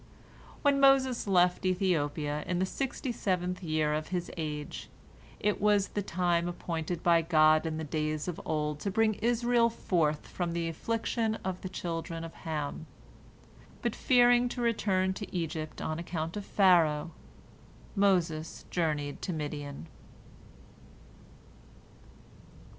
When Moses left Ethiopia, in the sixty seventh year of his age, it was the time appointed by God in the days of old to bring Israel forth from the affliction of the children of Ham. But fearing to return to Egypt on account of Pharaoh, Moses journeyed to Midian.